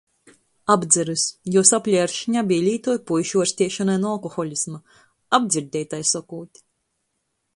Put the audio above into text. Apdzyrys. Juos aplej ar šņabi i lītoj puišu uorsteišonai nu alkoholisma. Apdzirdej, tai sokūt.